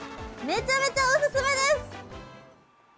めちゃめちゃお勧めです！